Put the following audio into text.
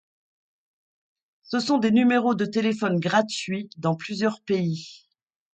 Ce sont des numéros de téléphones gratuits dans plusieurs pays.